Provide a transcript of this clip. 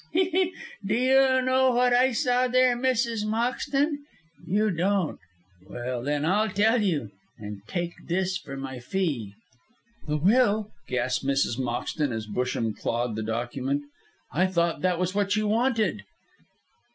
He! he! do you know what I saw there, Mrs. Moxton? You don't. Well then, I'll tell you, and take this for my fee." "The will!" gasped Mrs. Moxton, as Busham clawed the document. "I thought that was what you wanted."